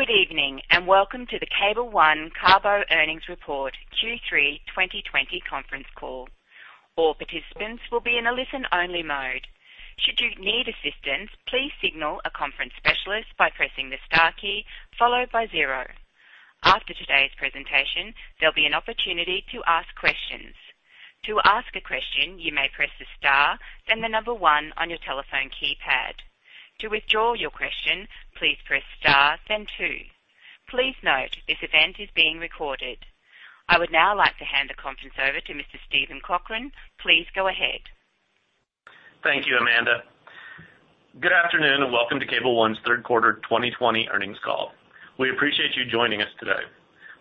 Good evening, and welcome to the Cable One CABO earnings report Q3 2020 conference call. I would now like to hand the conference over to Mr. Steven Cochran. Please go ahead. Thank you, Amanda. Good afternoon, and welcome to Cable One's third quarter 2020 earnings call. We appreciate you joining us today.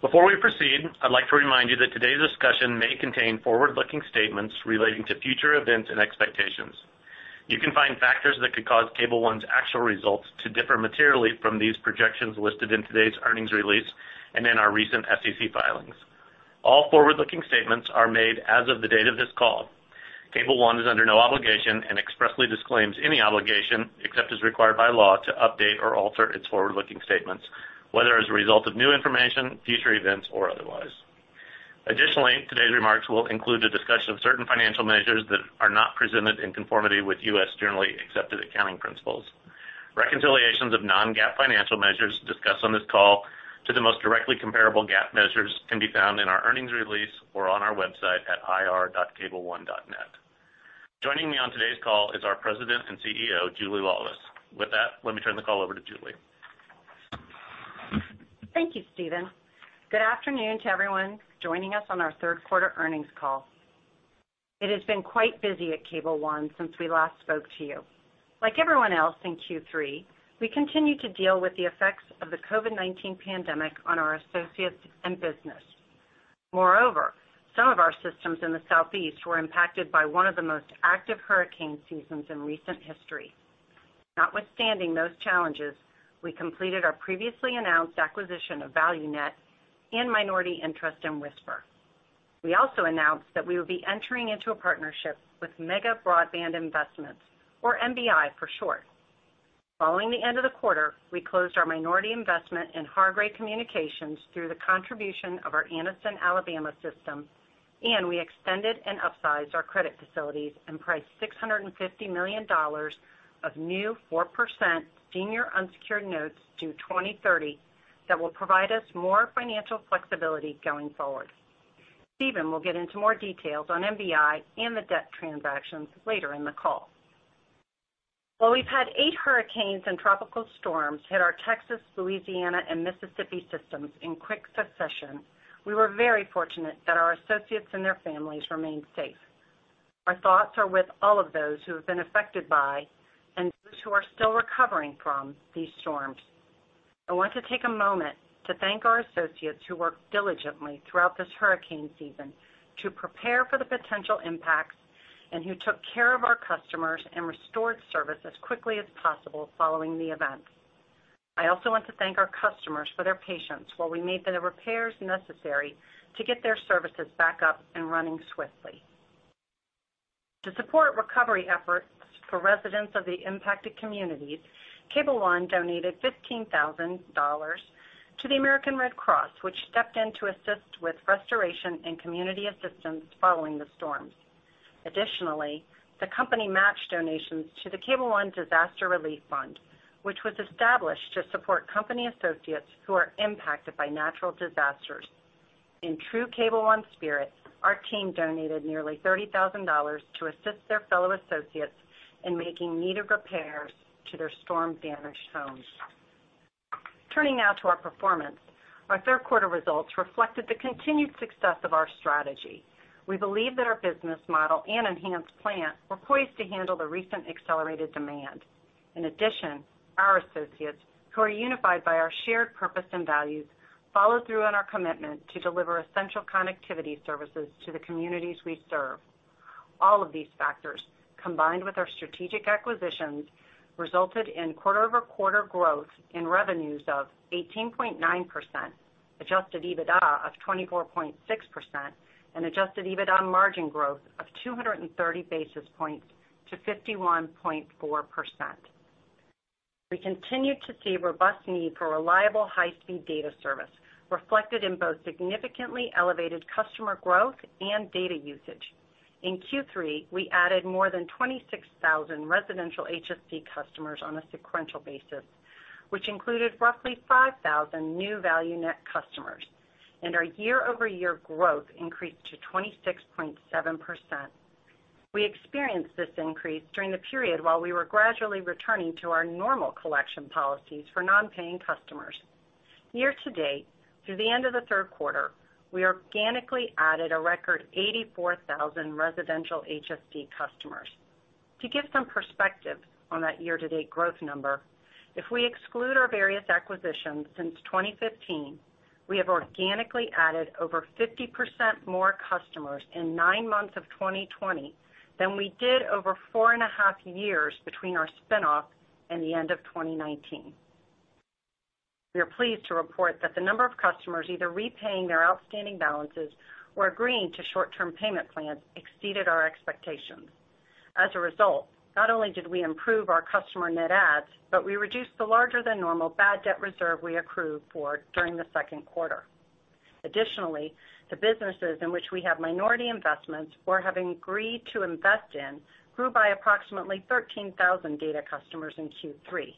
Before we proceed, I'd like to remind you that today's discussion may contain forward-looking statements relating to future events and expectations. You can find factors that could cause Cable One's actual results to differ materially from these projections listed in today's earnings release and in our recent SEC filings. All forward-looking statements are made as of the date of this call. Cable One is under no obligation and expressly disclaims any obligation, except as required by law, to update or alter its forward-looking statements, whether as a result of new information, future events, or otherwise. Additionally, today's remarks will include a discussion of certain financial measures that are not presented in conformity with U.S. generally accepted accounting principles. Reconciliations of non-GAAP financial measures discussed on this call to the most directly comparable GAAP measures can be found in our earnings release or on our website at ir.cableone.net. Joining me on today's call is our President and CEO, Julia Laulis. With that, let me turn the call over to Julia. Thank you, Steven. Good afternoon to everyone joining us on our third quarter earnings call. It has been quite busy at Cable One since we last spoke to you. Like everyone else in Q3, we continue to deal with the effects of the COVID-19 pandemic on our associates and business. Moreover, some of our systems in the Southeast were impacted by one of the most active hurricane seasons in recent history. Notwithstanding those challenges, we completed our previously announced acquisition of ValueNet and minority interest in Wisper. We also announced that we will be entering into a partnership with Mega Broadband Investments, or MBI for short. Following the end of the quarter, we closed our minority investment in Hargray Communications through the contribution of our Anniston, Alabama system, and we extended and upsized our credit facilities and priced $650 million of new 4% senior unsecured notes due 2030 that will provide us more financial flexibility going forward. Steven will get into more details on MBI and the debt transactions later in the call. While we've had eight hurricanes and tropical storms hit our Texas, Louisiana, and Mississippi systems in quick succession, we were very fortunate that our associates and their families remained safe. Our thoughts are with all of those who have been affected by and those who are still recovering from these storms. I want to take a moment to thank our associates who worked diligently throughout this hurricane season to prepare for the potential impacts and who took care of our customers and restored service as quickly as possible following the events. I also want to thank our customers for their patience while we made the repairs necessary to get their services back up and running swiftly. To support recovery efforts for residents of the impacted communities, Cable One donated $15,000 to the American Red Cross, which stepped in to assist with restoration and community assistance following the storms. Additionally, the company matched donations to the Cable One Disaster Relief Fund, which was established to support company associates who are impacted by natural disasters. In true Cable One spirit, our team donated nearly $30,000 to assist their fellow associates in making needed repairs to their storm-damaged homes. Turning now to our performance, our third quarter results reflected the continued success of our strategy. We believe that our business model and enhanced plan were poised to handle the recent accelerated demand. In addition, our associates, who are unified by our shared purpose and values, follow through on our commitment to deliver essential connectivity services to the communities we serve. All of these factors, combined with our strategic acquisitions, resulted in quarter-over-quarter growth in revenues of 18.9%, adjusted EBITDA of 24.6%, and adjusted EBITDA margin growth of 230 basis points to 51.4%. We continue to see robust need for reliable HSD service reflected in both significantly elevated customer growth and data usage. In Q3, we added more than 26,000 residential HSD customers on a sequential basis, which included roughly 5,000 new ValueNet customers, and our year-over-year growth increased to 26.7%. We experienced this increase during the period while we were gradually returning to our normal collection policies for non-paying customers. Year-to-date, through the end of the third quarter, we organically added a record 84,000 residential HSD customers. To give some perspective on that year-to-date growth number, if we exclude our various acquisitions since 2015, we have organically added over 50% more customers in nine months of 2020 than we did over four and a half years between our spinoff and the end of 2019. We are pleased to report that the number of customers either repaying their outstanding balances or agreeing to short-term payment plans exceeded our expectations. Not only did we improve our customer net adds, but we reduced the larger than normal bad debt reserve we accrued for during the second quarter. Additionally, the businesses in which we have minority investments or have agreed to invest in grew by approximately 13,000 data customers in Q3.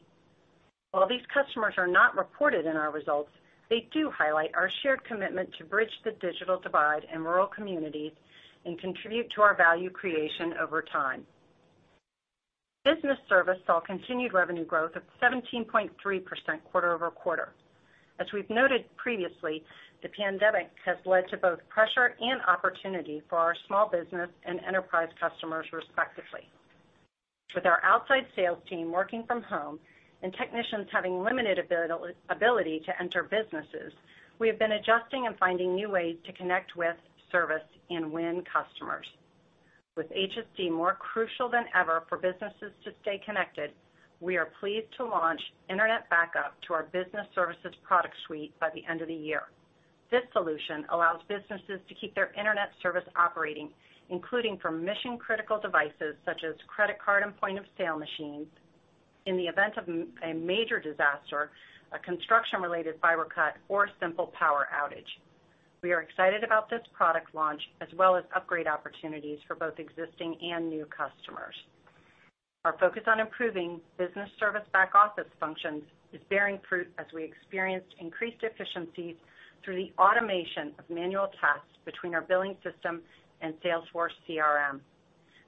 While these customers are not reported in our results, they do highlight our shared commitment to bridge the digital divide in rural communities and contribute to our value creation over time. Business service saw continued revenue growth of 17.3% quarter-over-quarter. As we've noted previously, the pandemic has led to both pressure and opportunity for our small business and enterprise customers respectively. With our outside sales team working from home and technicians having limited ability to enter businesses, we have been adjusting and finding new ways to connect with service and win customers. With HSD more crucial than ever for businesses to stay connected, we are pleased to launch internet backup to our business services product suite by the end of the year. This solution allows businesses to keep their internet service operating, including for mission-critical devices such as credit card and point-of-sale machines, in the event of a major disaster, a construction-related fiber cut, or a simple power outage. We are excited about this product launch, as well as upgrade opportunities for both existing and new customers. Our focus on improving business service back-office functions is bearing fruit as we experienced increased efficiencies through the automation of manual tasks between our billing system and Salesforce CRM.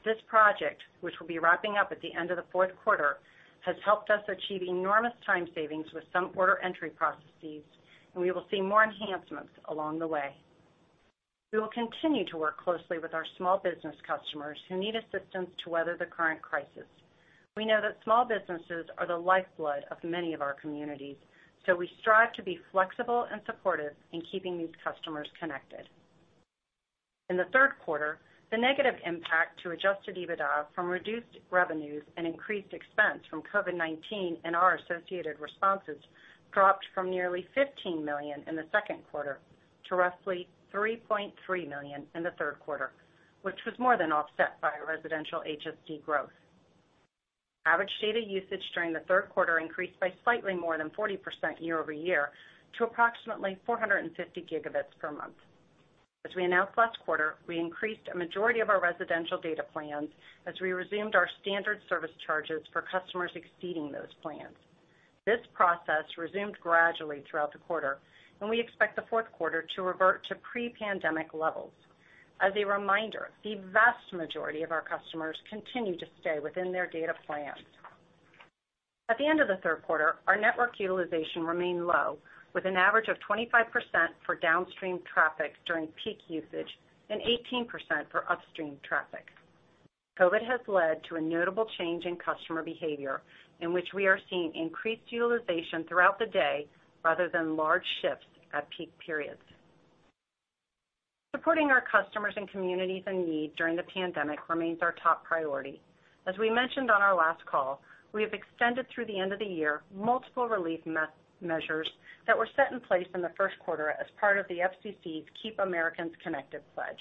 This project, which will be wrapping up at the end of the fourth quarter, has helped us achieve enormous time savings with some order entry processes, and we will see more enhancements along the way. We will continue to work closely with our small business customers who need assistance to weather the current crisis. We know that small businesses are the lifeblood of many of our communities, so we strive to be flexible and supportive in keeping these customers connected. In the third quarter, the negative impact to adjusted EBITDA from reduced revenues and increased expense from COVID-19 and our associated responses dropped from nearly $15 million in the second quarter to roughly $3.3 million in the third quarter, which was more than offset by residential HSD growth. Average data usage during the third quarter increased by slightly more than 40% year-over-year to approximately 450 gigabits per month. As we announced last quarter, we increased a majority of our residential data plans as we resumed our standard service charges for customers exceeding those plans. This process resumed gradually throughout the quarter, and we expect the fourth quarter to revert to pre-pandemic levels. As a reminder, the vast majority of our customers continue to stay within their data plans. At the end of the third quarter, our network utilization remained low, with an average of 25% for downstream traffic during peak usage and 18% for upstream traffic. COVID-19 has led to a notable change in customer behavior in which we are seeing increased utilization throughout the day rather than large shifts at peak periods. Supporting our customers and communities in need during the pandemic remains our top priority. As we mentioned on our last call, we have extended through the end of the year multiple relief measures that were set in place in the first quarter as part of the FCC's Keep Americans Connected Pledge.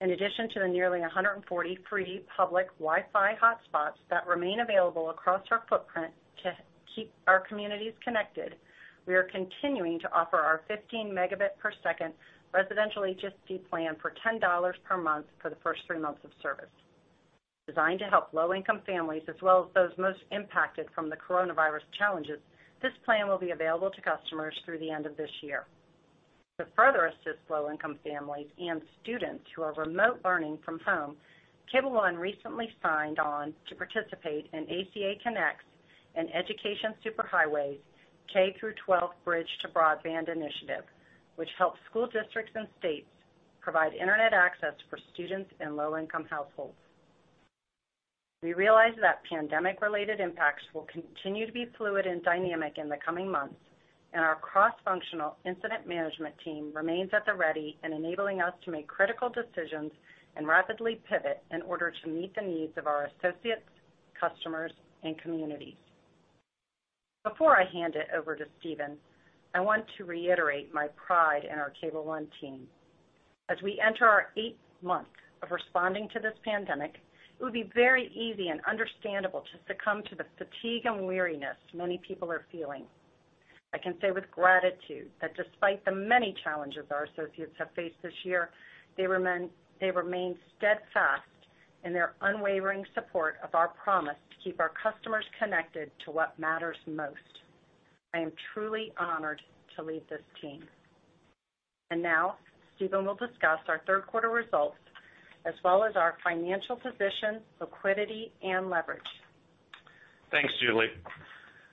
In addition to the nearly 140 free public Wi-Fi hotspots that remain available across our footprint to keep our communities connected, we are continuing to offer our 15 Mbps residential HSD plan for $10 per month for the first three months of service. Designed to help low-income families, as well as those most impacted from the coronavirus challenges, this plan will be available to customers through the end of this year. To further assist low-income families and students who are remote learning from home, Cable One recently signed on to participate in ACA Connects and EducationSuperHighway's K-12 Bridge to Broadband initiative, which helps school districts and states provide internet access for students in low-income households. We realize that pandemic-related impacts will continue to be fluid and dynamic in the coming months, and our cross-functional incident management team remains at the ready and enabling us to make critical decisions and rapidly pivot in order to meet the needs of our associates, customers, and communities. Before I hand it over to Steven, I want to reiterate my pride in our Cable One team. As we enter our eighth month of responding to this pandemic, it would be very easy and understandable to succumb to the fatigue and weariness many people are feeling. I can say with gratitude that despite the many challenges our associates have faced this year, they remain steadfast in their unwavering support of our promise to keep our customers connected to what matters most. I am truly honored to lead this team. Now, Steven will discuss our third quarter results, as well as our financial position, liquidity, and leverage. Thanks, Julia.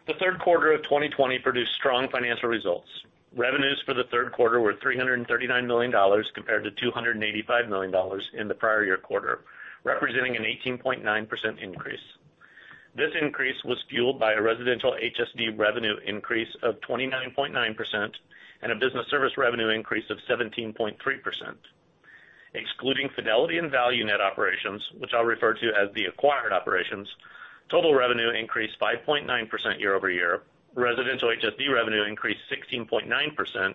The third quarter of 2020 produced strong financial results. Revenues for the third quarter were $339 million compared to $285 million in the prior year quarter, representing an 18.9% increase. This increase was fueled by a residential HSD revenue increase of 29.9% and a business service revenue increase of 17.3%. Excluding Fidelity and ValueNet operations, which I'll refer to as the acquired operations-Total revenue increased 5.9% year-over-year, residential HSD revenue increased 16.9%,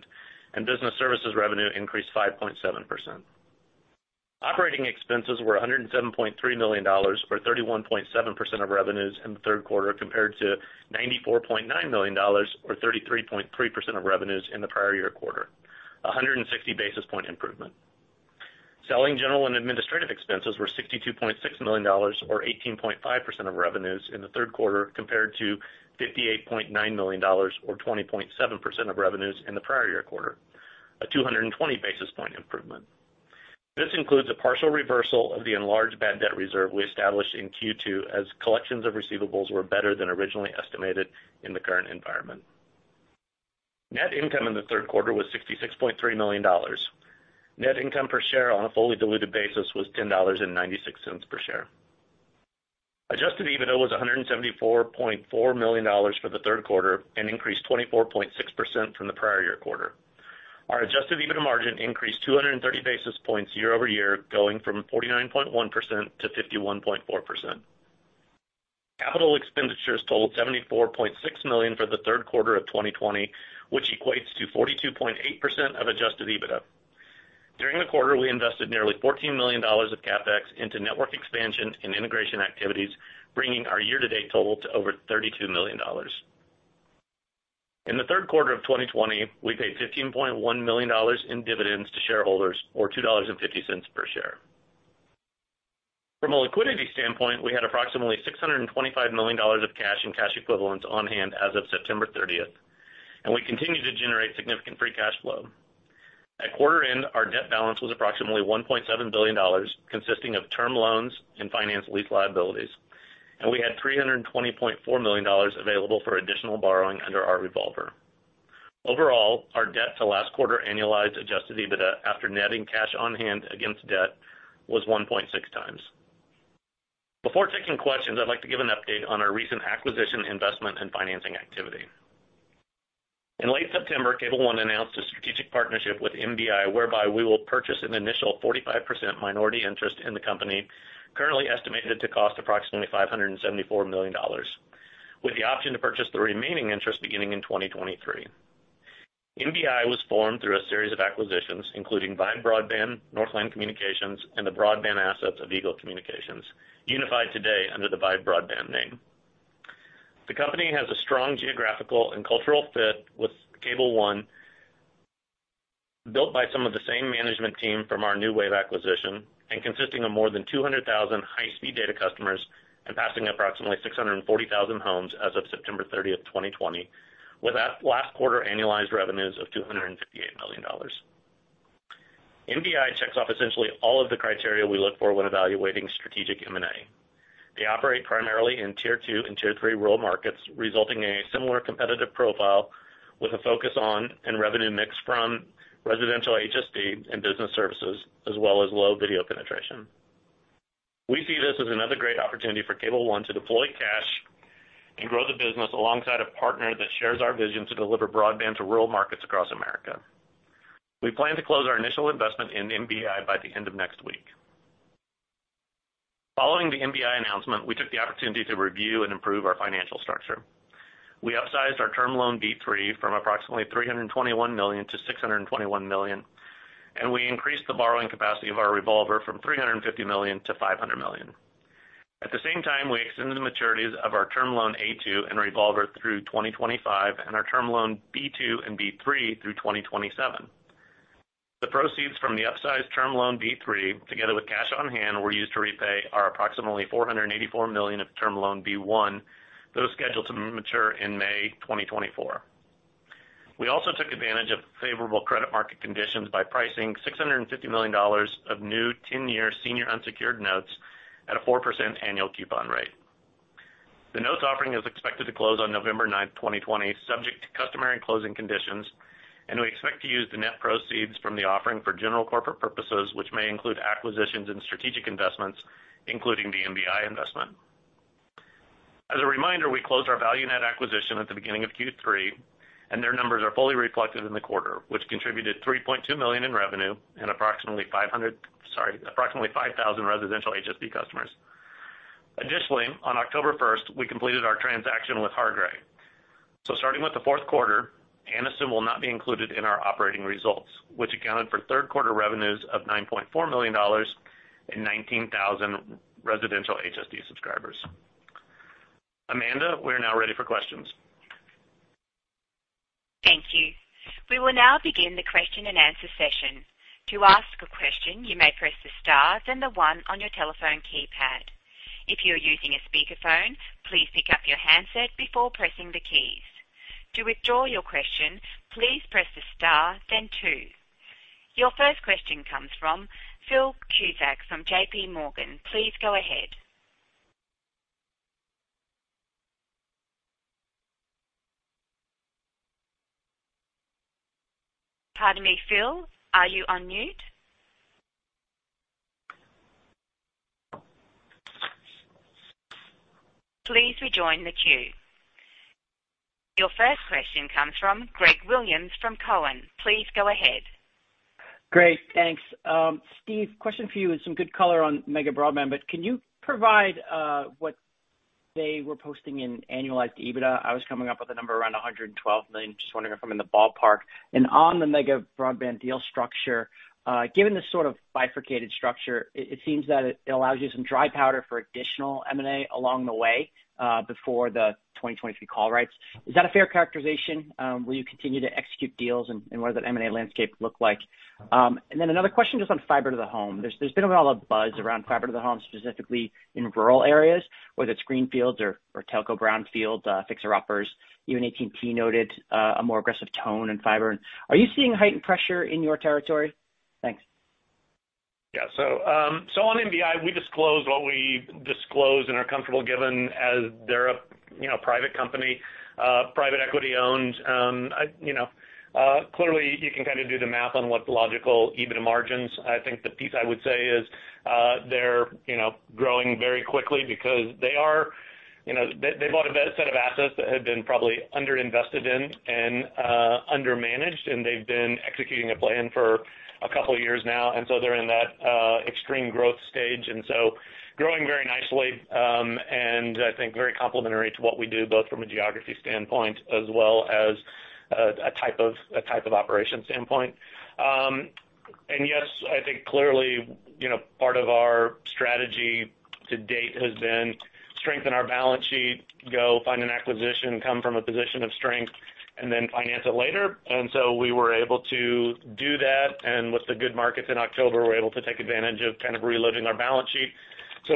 and business services revenue increased 5.7%. Operating expenses were $107.3 million, or 31.7% of revenues in the third quarter, compared to $94.9 million or 33.3% of revenues in the prior year quarter, 160 basis point improvement. Selling general and administrative expenses were $62.6 million, or 18.5% of revenues in the third quarter, compared to $58.9 million or 20.7% of revenues in the prior year quarter, a 220-basis point improvement. This includes a partial reversal of the enlarged bad debt reserve we established in Q2, as collections of receivables were better than originally estimated in the current environment. Net income in the third quarter was $66.3 million. Net income per share on a fully diluted basis was $10.96 per share. Adjusted EBITDA was $174.4 million for the third quarter. Increased 24.6% from the prior year quarter. Our adjusted EBITDA margin increased 230 basis points year-over-year, going from 49.1% to 51.4%. Capital expenditures totaled $74.6 million for the third quarter of 2020, which equates to 42.8% of adjusted EBITDA. During the quarter, we invested nearly $14 million of CapEx into network expansion and integration activities, bringing our year-to-date total to over $32 million. In the third quarter of 2020, we paid $15.1 million in dividends to shareholders, or $2.50 per share. From a liquidity standpoint, we had approximately $625 million of cash and cash equivalents on hand as of September 30th, and we continue to generate significant free cash flow. At quarter end, our debt balance was approximately $1.7 billion, consisting of term loans and finance lease liabilities, and we had $320.4 million available for additional borrowing under our revolver. Overall, our debt to last quarter annualized adjusted EBITDA after netting cash on hand against debt was 1.6 times. Before taking questions, I'd like to give an update on our recent acquisition, investment, and financing activity. In late September, Cable One announced a strategic partnership with MBI, whereby we will purchase an initial 45% minority interest in the company, currently estimated to cost approximately $574 million, with the option to purchase the remaining interest beginning in 2023. MBI was formed through a series of acquisitions, including Vyve Broadband, Northland Communications, and the broadband assets of Eagle Communications, unified today under the Vyve Broadband name. The company has a strong geographical and cultural fit with Cable One, built by some of the same management team from our NewWave acquisition and consisting of more than 200,000 high-speed data customers and passing approximately 640,000 homes as of September 30th, 2020, with last quarter annualized revenues of $258 million. MBI checks off essentially all of the criteria we look for when evaluating strategic M&A. They operate primarily in Tier 2 and Tier 3 rural markets, resulting in a similar competitive profile with a focus on and revenue mix from residential HSD and business services, as well as low video penetration. We see this as another great opportunity for Cable One to deploy cash and grow the business alongside a partner that shares our vision to deliver broadband to rural markets across America. We plan to close our initial investment in MBI by the end of next week. Following the MBI announcement, we took the opportunity to review and improve our financial structure. We upsized our term loan B-3 from approximately $321 million to $621 million, and we increased the borrowing capacity of our revolver from $350 million to $500 million. At the same time, we extended the maturities of our term loan A-2 and revolver through 2025 and our term loan B-2 and B-3 through 2027. The proceeds from the upsized term loan B-3, together with cash on hand, were used to repay our approximately $484 million of term loan B1, those scheduled to mature in May 2024. We also took advantage of favorable credit market conditions by pricing $650 million of new 10-year senior unsecured notes at a 4% annual coupon rate. The notes offering is expected to close on November 9, 2020, subject to customary closing conditions, and we expect to use the net proceeds from the offering for general corporate purposes, which may include acquisitions and strategic investments, including the MBI investment. As a reminder, we closed our ValueNet acquisition at the beginning of Q3, and their numbers are fully reflected in the quarter, which contributed $3.2 million in revenue and approximately 5,000 residential HSD customers. Additionally, on October 1, we completed our transaction with Hargray. Starting with the fourth quarter, Anniston will not be included in our operating results, which accounted for third-quarter revenues of $9.4 million and 19,000 residential HSD subscribers. Amanda, we're now ready for questions. Thank you. We will now begin the question-and-answer session. Your first question comes from Phil Cusick from J.P. Morgan. Please go ahead. Pardon me, Phil, are you on mute? Please rejoin the queue. Your first question comes from Greg Williams from Cowen. Please go ahead. Great, thanks. Steven, question for you and some good color on Mega Broadband, can you provide what they were posting in annualized EBITDA? I was coming up with a number around $112 million. Just wondering if I'm in the ballpark. On the Mega Broadband deal structure, given the sort of bifurcated structure, it seems that it allows you some dry powder for additional M&A along the way, before the 2023 call rights. Is that a fair characterization? Will you continue to execute deals, and what does that M&A landscape look like? Another question just on fiber to the home. There's been a lot of buzz around fiber to the home, specifically in rural areas, whether it's greenfields or telco brownfield fixer-uppers. Even AT&T noted a more aggressive tone in fiber. Are you seeing heightened pressure in your territory? Thanks. Yeah. On MBI, we disclose what we disclose and are comfortable given as they're a private company, private equity owned. Clearly, you can kind of do the math on what the logical EBITDA margins. I think the piece I would say is, they're growing very quickly because they bought a set of assets that had been probably under-invested in and under-managed, and they've been executing a plan for a couple of years now. They're in that extreme growth stage, and so growing very nicely, and I think very complementary to what we do, both from a geography standpoint as well as a type of operation standpoint. Yes, I think clearly, part of our strategy to date has been strengthen our balance sheet, go find an acquisition, come from a position of strength, and then finance it later. We were able to do that. With the good markets in October, we were able to take advantage of kind of re-loading our balance sheet.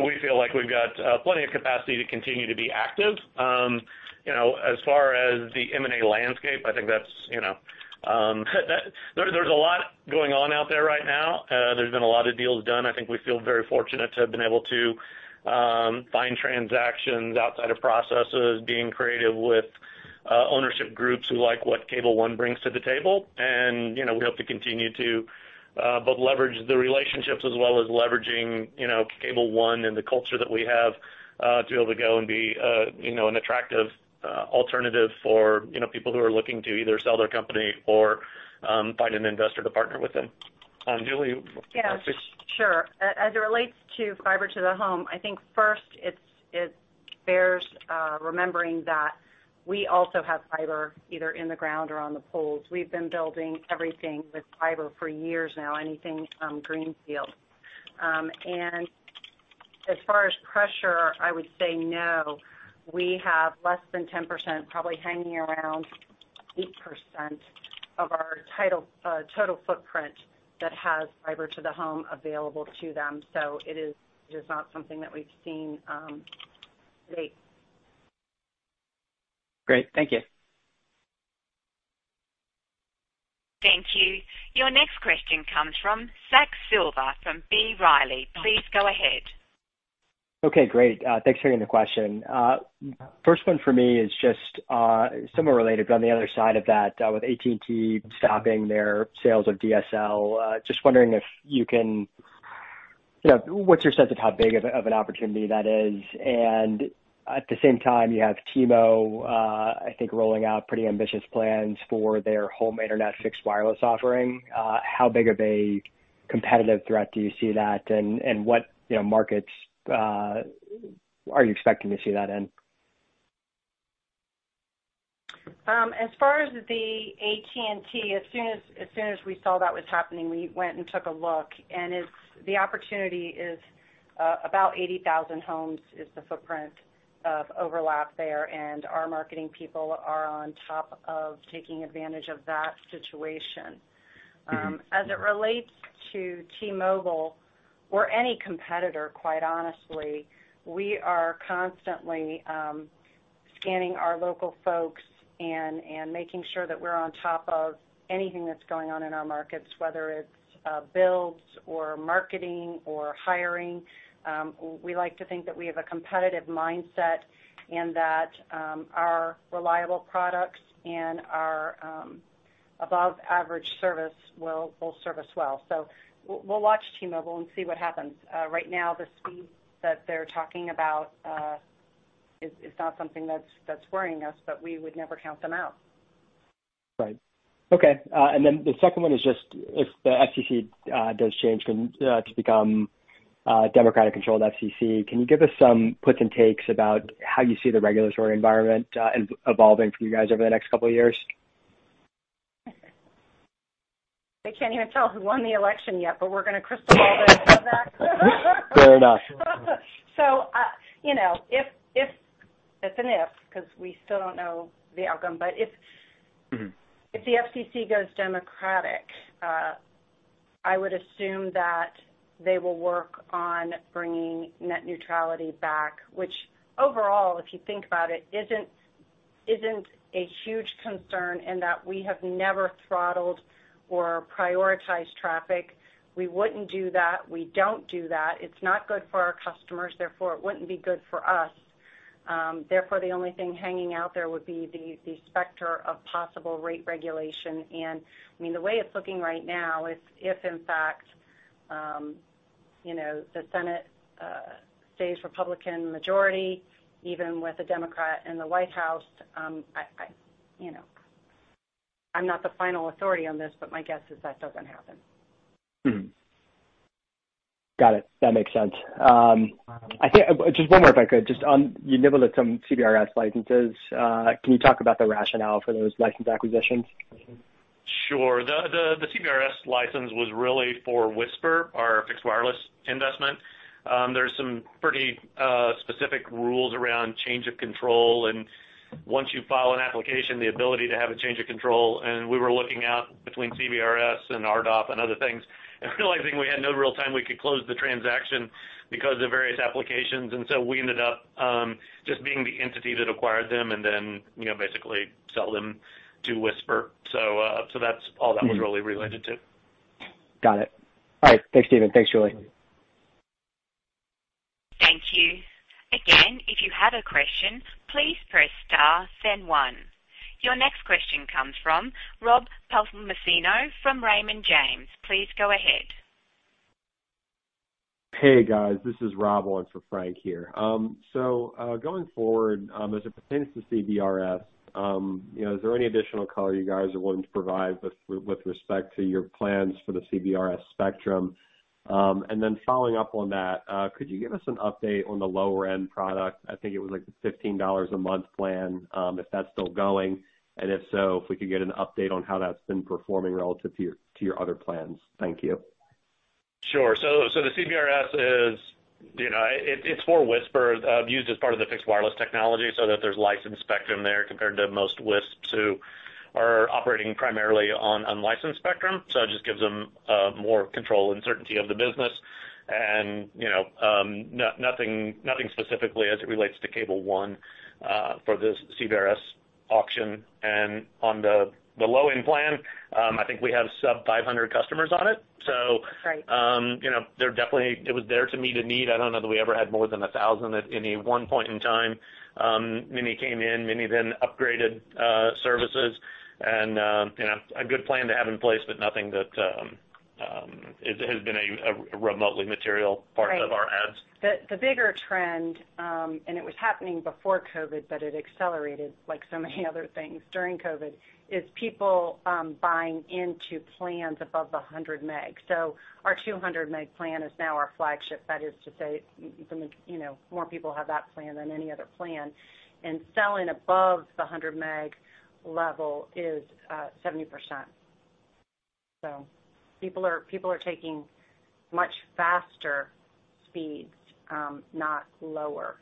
We feel like we've got plenty of capacity to continue to be active. As far as the M&A landscape, I think there's a lot going on out there right now. There's been a lot of deals done. I think we feel very fortunate to have been able to find transactions outside of processes, being creative with ownership groups who like what Cable One brings to the table. We hope to continue to both leverage the relationships as well as leveraging Cable One and the culture that we have, to be able to go and be an attractive alternative for people who are looking to either sell their company or find an investor to partner with them. Julia? Yeah, sure. As it relates to fiber to the home, I think first it bears remembering that we also have fiber either in the ground or on the poles. We've been building everything with fiber for years now, anything greenfield. As far as pressure, I would say no. We have less than 10%, probably hanging around 8% of our total footprint that has fiber to the home available to them. It is not something that we've seen to date. Great. Thank you. Thank you. Your next question comes from Zach Silver from B. Riley. Please go ahead. Okay, great. Thanks for taking the question. First one for me is just, somewhat related, but on the other side of that, with AT&T stopping their sales of DSL, just wondering what's your sense of how big of an opportunity that is? At the same time, you have T-Mobile, I think, rolling out pretty ambitious plans for their home internet fixed wireless offering. How big of a competitive threat do you see that in, and what markets are you expecting to see that in? As far as the AT&T, as soon as we saw that was happening, we went and took a look, and the opportunity is about 80,000 homes is the footprint of overlap there, and our marketing people are on top of taking advantage of that situation. As it relates to T-Mobile or any competitor, quite honestly, we are constantly scanning our local folks and making sure that we're on top of anything that's going on in our markets, whether it's builds or marketing or hiring. We like to think that we have a competitive mindset and that our reliable products and our above-average service will service well. We'll watch T-Mobile and see what happens. Right now, the speeds that they're talking about is not something that's worrying us, but we would never count them out. Right. Okay. The second one is just if the FCC does change to become a Democratic-controlled FCC, can you give us some puts and takes about how you see the regulatory environment evolving for you guys over the next couple of years? They can't even tell who won the election yet, but we're going to crystal ball that? Fair enough. If, it's an if, because we still don't know the outcome, but if the FCC goes Democratic, I would assume that they will work on bringing net neutrality back, which overall, if you think about it, isn't a huge concern in that we have never throttled or prioritized traffic. We wouldn't do that. We don't do that. It's not good for our customers, therefore it wouldn't be good for us. Therefore, the only thing hanging out there would be the specter of possible rate regulation. I mean, the way it's looking right now is if in fact the Senate stays Republican majority, even with a Democrat in the White House. I'm not the final authority on this, but my guess is that doesn't happen. Got it. That makes sense. Just one more, if I could. You nibbled at some CBRS licenses. Can you talk about the rationale for those license acquisitions? Sure. The CBRS license was really for Wisper, our fixed wireless investment. There's some pretty specific rules around change of control, and once you file an application, the ability to have a change of control, and we were looking out between CBRS and RDOF and other things and realizing we had no real time we could close the transaction because of various applications. We ended up just being the entity that acquired them and then basically sell them to Wisper. That's all that was really related to. Got it. All right. Thanks, Steven. Thanks, Julia. Thank you. Again, if you have a question, please press star, then one. Your next question comes from Rob Palmisano from Raymond James. Please go ahead. Hey, guys, this is Rob on for Frank here. Going forward, as it pertains to CBRS, is there any additional color you guys are willing to provide with respect to your plans for the CBRS spectrum? Following up on that, could you give us an update on the lower-end product, I think it was like the $15 a month plan, if that's still going, and if so, if we could get an update on how that's been performing relative to your other plans. Thank you. Sure. The CBRS is for Wisper, used as part of the fixed wireless technology, so that there's licensed spectrum there compared to most WISPs who are operating primarily on unlicensed spectrum. It just gives them more control and certainty of the business, and nothing specifically as it relates to Cable One for this CBRS auction. On the low-end plan, I think we have sub 500 customers on it. Right. It was there to meet a need. I don't know that we ever had more than 1,000 at any one point in time. Many came in, many then upgraded services, and a good plan to have in place, but nothing that has been a remotely material part of our adds. Right. The bigger trend, and it was happening before COVID, but it accelerated like so many other things during COVID, is people buying into plans above the 100 meg. Our 200-meg plan is now our flagship. That is to say more people have that plan than any other plan and selling above the 100-meg level is 70%. People are taking much faster speeds, not lower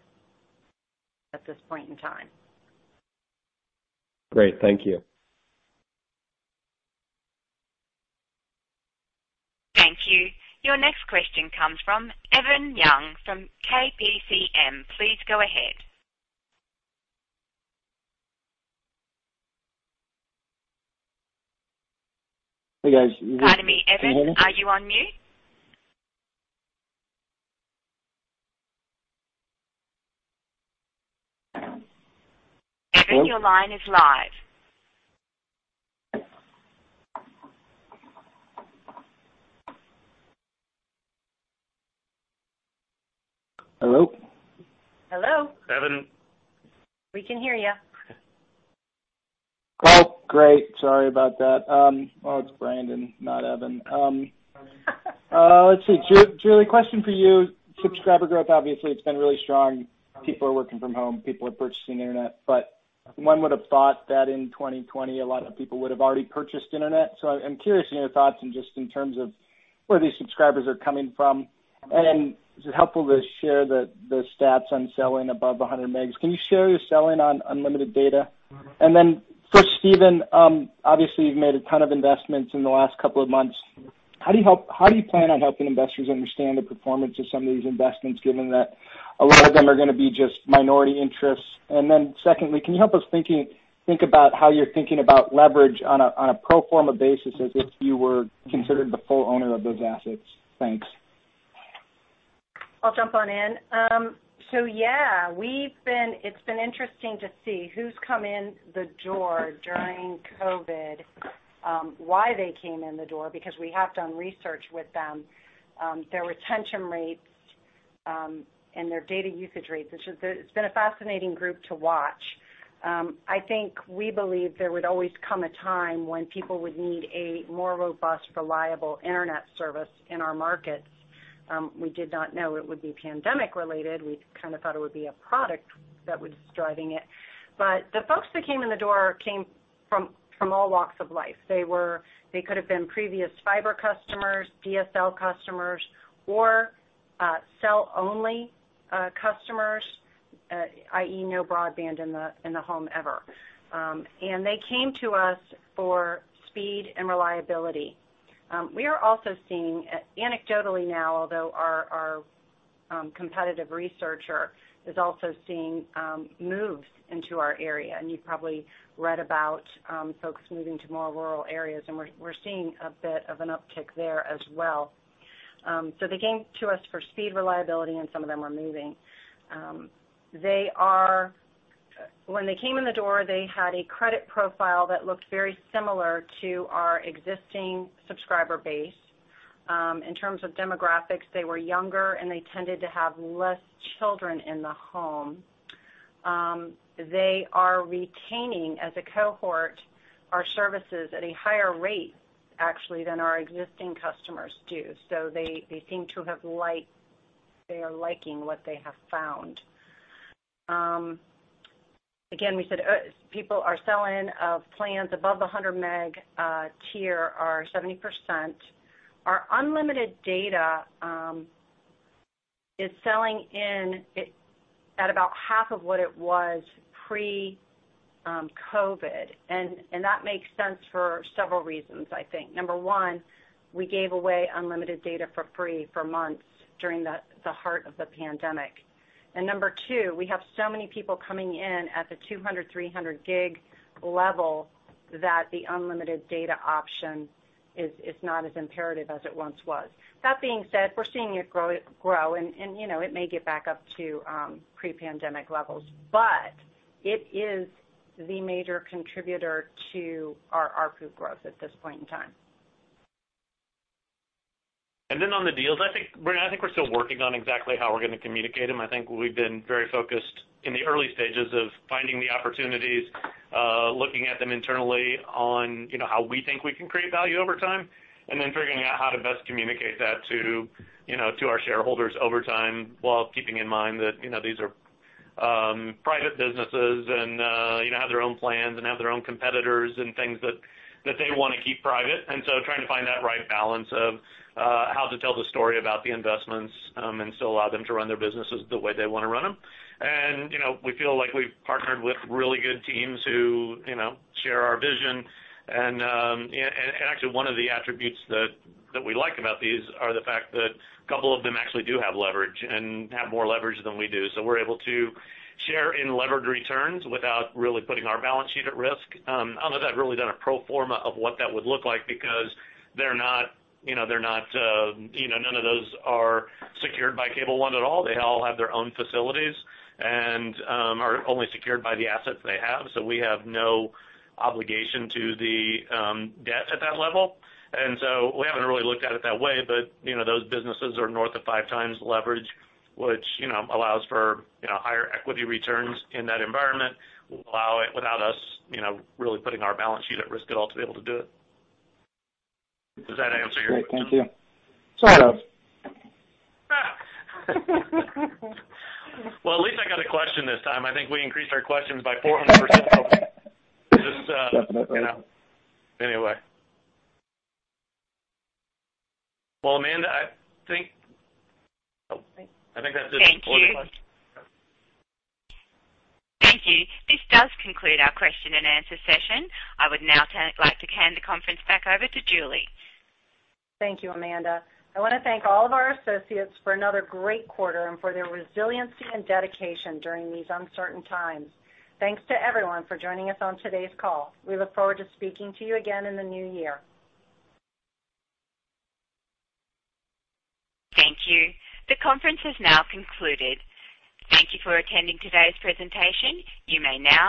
at this point in time. Great. Thank you. Thank you. Your next question comes from Evan Young from KBCM. Please go ahead. Hey, guys. Pardon me, Evan, are you on mute? Evan, your line is live. Hello? Hello. Evan. We can hear you. Great. Sorry about that. It's Brandon, not Evan. Let's see. Julia, question for you. Subscriber growth, obviously, it's been really strong. People are working from home. People are purchasing Internet. One would've thought that in 2020, a lot of people would have already purchased Internet. I'm curious on your thoughts in just in terms of where these subscribers are coming from. Is it helpful to share the stats on selling above 100 megs? Can you share your selling on unlimited data? Then for Steven, obviously you've made a ton of investments in the last couple of months. How do you plan on helping investors understand the performance of some of these investments, given that a lot of them are going to be just minority interests? Secondly, can you help us think about how you're thinking about leverage on a pro forma basis as if you were considered the full owner of those assets? Thanks. I'll jump on in. Yeah, it's been interesting to see who's come in the door during COVID, why they came in the door, because we have done research with them, their retention rates, and their data usage rates. It's been a fascinating group to watch. I think we believe there would always come a time when people would need a more robust, reliable Internet service in our markets. We did not know it would be pandemic related. We kind of thought it would be a product that was driving it. The folks that came in the door came from all walks of life. They could have been previous fiber customers, DSL customers, or cell-only customers, i.e., no broadband in the home ever. They came to us for speed and reliability. We are also seeing, anecdotally now, although our competitive researcher is also seeing moves into our area. You've probably read about folks moving to more rural areas, we're seeing a bit of an uptick there as well. They came to us for speed, reliability, and some of them are moving. When they came in the door, they had a credit profile that looked very similar to our existing subscriber base. In terms of demographics, they were younger. They tended to have less children in the home. They are retaining, as a cohort, our services at a higher rate, actually, than our existing customers do. They are liking what they have found. Again, we said people are selling plans above the 100 meg tier are 70%. Our unlimited data is selling in at about half of what it was pre-COVID. That makes sense for several reasons, I think. Number one, we gave away unlimited data for free for months during the heart of the pandemic. Number two, we have so many people coming in at the 200, 300 gig level that the unlimited data option is not as imperative as it once was. That being said, we're seeing it grow, and it may get back up to pre-pandemic levels. It is the major contributor to our ARPU growth at this point in time. On the deals, Brandon I think we're still working on exactly how we're going to communicate them. I think we've been very focused in the early stages of finding the opportunities, looking at them internally on how we think we can create value over time, and then figuring out how to best communicate that to our shareholders over time, while keeping in mind that these are private businesses and have their own plans and have their own competitors and things that they want to keep private. Trying to find that right balance of how to tell the story about the investments and still allow them to run their businesses the way they want to run them. We feel like we've partnered with really good teams who share our vision. Actually, one of the attributes that we like about these are the fact that a couple of them actually do have leverage and have more leverage than we do. We're able to share in levered returns without really putting our balance sheet at risk. I don't know if I've really done a pro forma of what that would look like because none of those are secured by Cable One at all. They all have their own facilities and are only secured by the assets they have. We have no obligation to the debt at that level. We haven't really looked at it that way. Those businesses are north of five times leverage, which allows for higher equity returns in that environment without us really putting our balance sheet at risk at all to be able to do it. Does that answer your question? Great. Thank you. Sort of. Well, at least I got a question this time. I think we increased our questions by 400%. Definitely. Well, Amanda, I think that's it for the questions. Thank you. This does conclude our question-and-answer session. I would now like to hand the conference back over to Julia. Thank you, Amanda. I want to thank all of our associates for another great quarter and for their resiliency and dedication during these uncertain times. Thanks to everyone for joining us on today's call. We look forward to speaking to you again in the new year. Thank you. The conference has now concluded. Thank you for attending today's presentation. You may now disconnect.